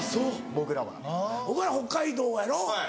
僕らは。お前北海道やろ？